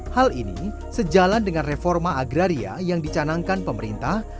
hal ini sejalan dengan reforma agraria yang dicanangkan pemerintah